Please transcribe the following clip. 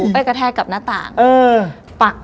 แกระแทกกับนาต่างปะ